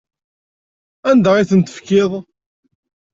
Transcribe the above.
Anda ay ten-tefkiḍ?